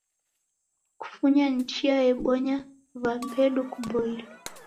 Kufunya ni chia yebonya w'ambedu kuboilwa.